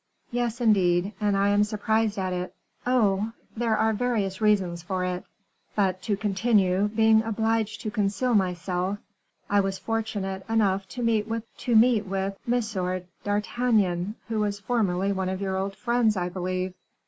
"Yes, indeed, and I am surprised at it." "Oh! there are various reasons for it. But, to continue, being obliged to conceal myself, I was fortunate enough to meet with M. d'Artagnan, who was formerly one of your old friends, I believe?"